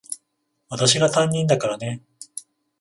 私が担任だからね。